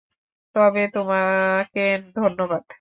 তবে, তোমাকে ধন্যবাদ।